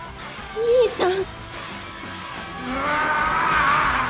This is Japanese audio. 兄さん！